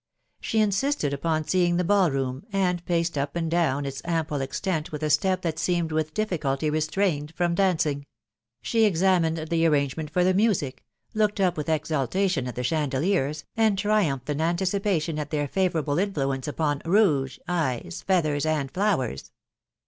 She insisted upon teeing the ball room, and paced up andkdown its ample extent with a step that seemed with difficulty: restrained from dancing; she examines} the arrangement lor the music* looked up with ex* ultation at the chandeliers, and triumphed in antidpattar.at their favourable influence upon rouge, eyes* feathery and flowers.